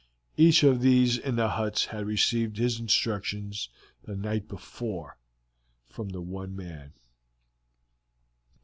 Each of those in the huts had received his instructions the night before from the one man.